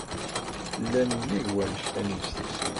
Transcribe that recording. Llan nnig wannect-a n yiseqsiyen.